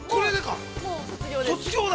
◆卒業だ！